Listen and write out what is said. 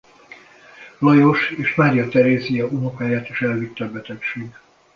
Lajos és Mária Terézia unokáját is elvitte a betegség.